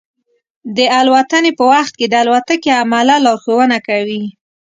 د الوتنې په وخت کې د الوتکې عمله لارښوونه کوي.